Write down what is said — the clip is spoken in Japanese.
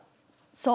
そう。